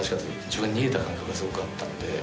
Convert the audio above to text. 自分が逃げた感覚がすごくあったんで。